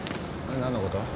何のこと？